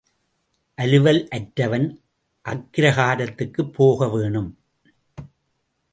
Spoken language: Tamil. அலுவல் அற்றவன் அக்கிரகாரத்துக்குப் போக வேணும்.